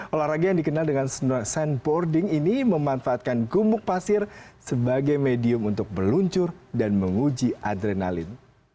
olahraga yang dikenal dengan sandboarding ini memanfaatkan gumuk pasir sebagai medium untuk meluncur dan menguji adrenalin